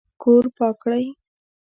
کور پاک کړئ